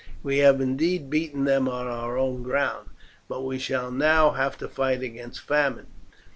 "We have indeed beaten them on our own ground, but we shall now have to fight against famine.